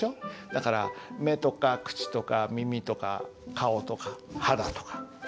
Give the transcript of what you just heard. だから目とか口とか耳とか顔とか肌とかおなかとか。